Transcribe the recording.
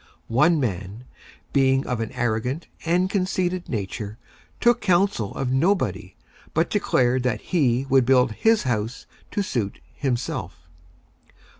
One Man, being of an Arrogant and Conceited Nature, took counsel of Nobody, but declared that he would build his House to suit himself.